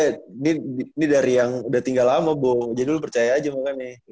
ini dia ini dari yang udah tinggal lama bo jadi lu percaya aja makanya ya